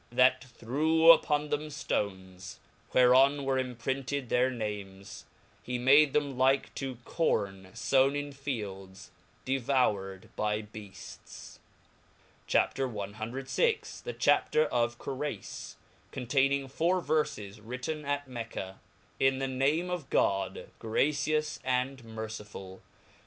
that threw upon them ftones , whereon were imprinted their names ; he made them like to corn fown in fields, devoured by beaits. CHAP. CVL The chaffer of Qpreis y containing fotire VerfeSy Written at Mecca. TN th^ name of God , gracious and merciful 1.